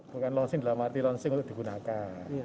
bukan launching dalam arti launching untuk digunakan